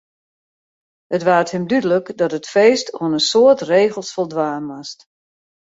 It waard him dúdlik dat it feest oan in soad regels foldwaan moast.